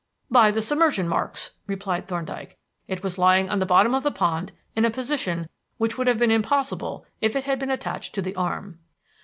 "By the submersion marks," replied Thorndyke. "It was lying on the bottom of the pond in a position which would have been impossible if it had been attached to the arm."